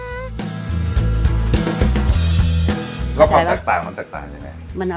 ล่ะฝามจากต่างอย่างไร